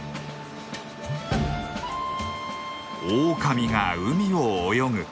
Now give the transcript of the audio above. オオカミが海を泳ぐ。